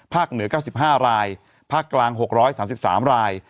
เหนือ๙๕รายภาคกลาง๖๓๓ราย